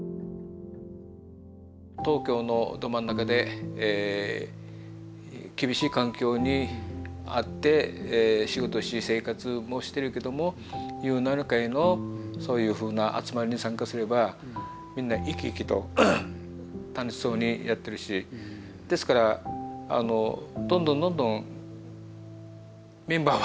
東京のど真ん中で厳しい環境にあって仕事し生活もしてるけどもゆうなの会のそういうふうな集まりに参加すればみんな生き生きと楽しそうにやってるしですからどんどんどんどんメンバーは増えましたよ